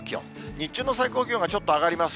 日中の最高気温がちょっと上がります。